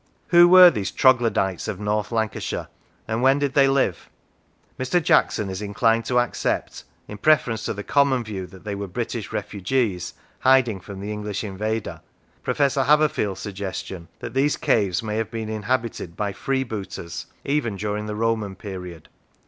Who were these troglodytes of North Lancashire, and when did they live ? Mr. Jackson is inclined to accept, in preference to the common view that they were British refugees hiding from the English invader, Professor Haverfield's suggestion that these caves may have been inhabited by freebooters even during the Roman period.